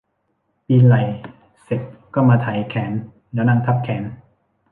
ปีนไหล่เสร็จก็มาไถแขนแล้วนั่งทับแขน